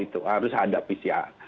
itu harus ada pcr